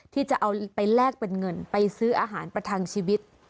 ที่จะเอาไปแลกเป็นเงินไปซื้ออาหารประทังชีวิต